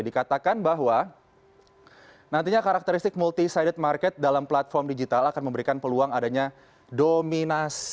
dikatakan bahwa nantinya karakteristik multi sided market dalam platform digital akan memberikan peluang antara perusahaan super apps ini